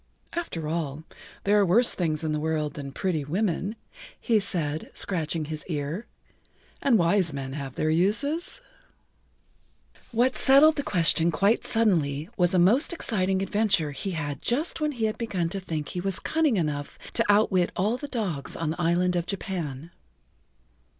"After all, there are worse things in the world than pretty women," he said, scratching his ear, "and wise men have their uses." What settled the question quite suddenly was a most exciting adventure he had just when he had begun to think he was cunning enough to outwit all the dogs on the Island of Japan.